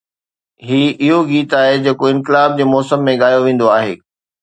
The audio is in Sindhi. هي اهو گيت آهي جيڪو انقلاب جي موسم ۾ ڳايو ويندو آهي.